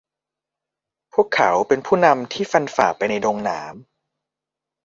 พวกเขาเป็นผู้นำที่ฟันผ่าไปในดงหนาม